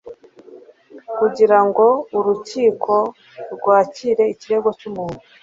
kugira ngo urukiko rwakire ikirego cy umuntu